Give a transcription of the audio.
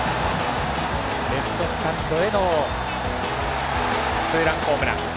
レフトスタンドへのツーランホームラン。